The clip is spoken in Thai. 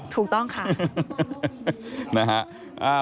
ถูกต้องค่ะ